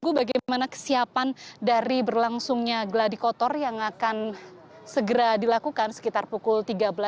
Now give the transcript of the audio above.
kita menunggu bagaimana kesiapan dari berlangsungnya geladi kotor yang akan segera dilakukan sekitar pukul tiga belas tiga puluh